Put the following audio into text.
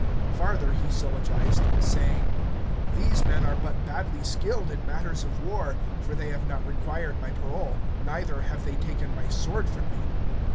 Farther, he syllogized, saying, These men are but badly skilled in matters of war, for they have not required my parole, neither have they taken my sword from me.